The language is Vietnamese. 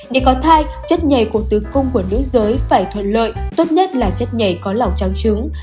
để có thai chất nhảy của tử cung của nước giới phải thuận lợi tốt nhất là chất nhảy có lỏng trang trứng